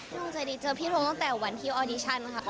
ดวงใจดีเจอพี่ทงตั้งแต่วันที่ออดิชั่นค่ะ